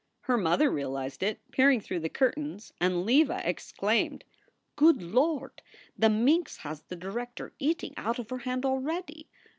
Her mother realized it, peering through the curtains, and Leva exclaimed: "Good Lord! The minx has the director eating out of her hand already.